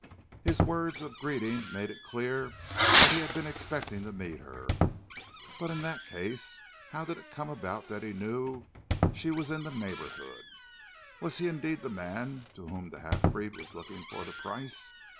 His words of greeting made it clear that he had been expecting to meet her, but in that case how did it come about that he knew she was in the neighbourhood? Was he indeed the man to whom the half breed was looking for the price?